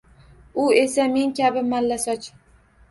U esa men kabi mallasoch